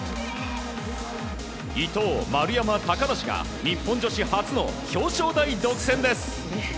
伊藤、丸山、高梨が日本女子初の表彰台独占です！